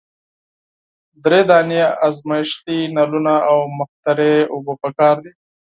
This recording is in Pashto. دری دانې ازمیښتي نلونه او مقطرې اوبه پکار دي.